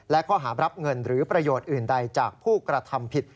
และข้อหารับเงินหรือประโยชน์อื่นใดจากผู้กระทำผิด